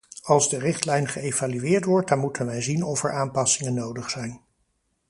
Als de richtlijn geëvalueerd wordt dan moeten wij zien of er aanpassingen nodig zijn.